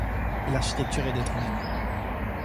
L'architecture est détrônée.